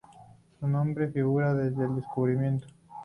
Su nombre figura desde el descubrimiento.